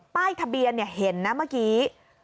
ป้ายทะเบียนเห็นนะเมื่อกี้